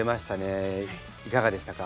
いかがでしたか？